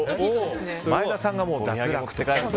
前田さんが、脱落と。